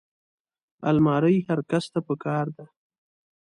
الماري هر کس ته پکار ده